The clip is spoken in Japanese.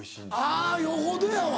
あぁよほどやわ。